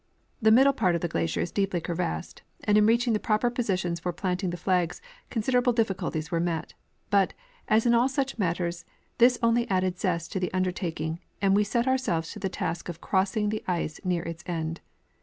The middle part of the glacier is deeply creyassed, and in reacliing the proper positions for planting the flags considerable difficulties Avere met ; but, as in all such matters, tliis only added zest to the undertaking, and we set ourselyes to the task of crossing the ice near its end.